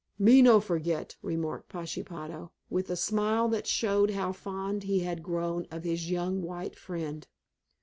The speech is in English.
"Me no forget," remarked Pashepaho, with a smile that showed how fond he had grown of his young white friend.